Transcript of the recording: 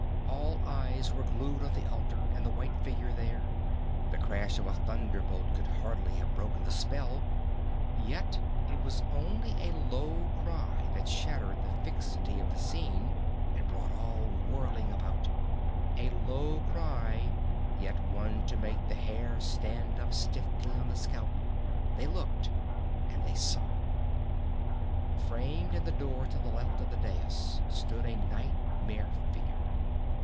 All eyes were glued on the altar and the white figure there; the crash of a thunderbolt could hardly have broken the spell, yet it was only a low cry that shattered the fixity of the scene and brought all whirling about a low cry, yet one to make the hair stand up stiffly on the scalp. They looked, and they saw. Framed in the door to the left of the dais stood a nightmare figure.